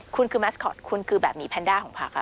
คุณคือแมสคอตคุณคือแบบมีแพนด้าของพัก